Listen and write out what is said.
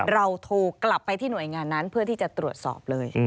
เราโทรกลับไปที่หน่วยงานนั้นเพื่อที่จะตรวจสอบเลย